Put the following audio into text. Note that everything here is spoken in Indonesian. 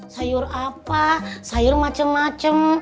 sayur apa sayur macem macem